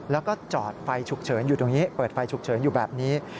แล้วก็จอดไฟฉุกเฉินอยู่ตรงนี้เปิดไฟฉุกเฉินอยู่แบบนี้